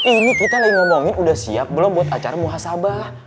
ini kita lagi ngomongin udah siap belum buat acara muhasabah